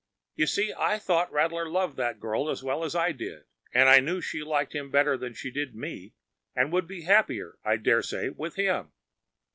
You see, I thought Rattler loved that girl as well as I did, and I knew she liked him better than she did me, and would be happier, I dare say, with him.